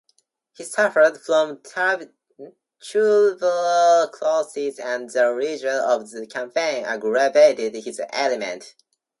He suffered from tuberculosis and the rigors of the campaign aggravated his ailment.